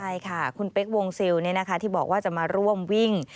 ใช่ค่ะคุณเป๊กวงซิลที่บอกว่าจะมาร่วมวิ่ง